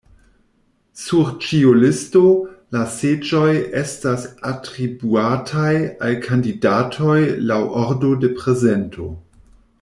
Sur ĉiu listo, la seĝoj estas atribuataj al kandidatoj laŭ ordo de prezento.